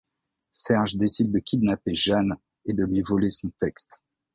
Serge décide de kidnapper Jeanne et de lui voler son texte.